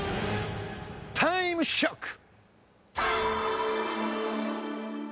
タイムショック！